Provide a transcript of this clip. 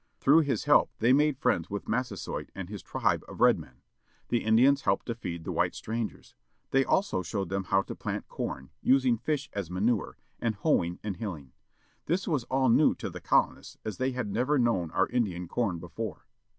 Through his help they made friends with Massasoit and his tribe of red men. The Indians helped to feed the white strangers. They also showed them how to plant com, using fish as maniu e, and hoeing and hilling. This was all new to the colonists as they had never known otir ^'^''^v, Indian com before.